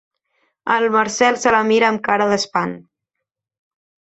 El Marcel se la mira amb cara d'espant.